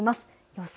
予想